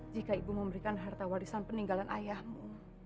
jika ibu memberikan harta warisan peninggalan ayahmu